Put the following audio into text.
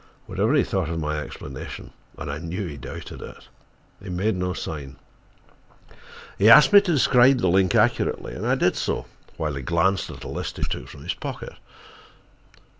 Whatever he thought of my explanation, and I knew he doubted it, he made no sign. He asked me to describe the link accurately, and I did so, while he glanced at a list he took from his pocket.